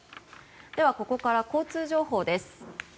ここから交通情報です。